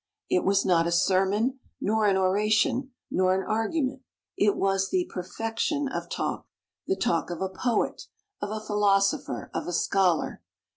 It was not a sermon, nor an oration, nor an argument; it was the perfection of talk; the talk of a poet, of a philosopher, of a scholar.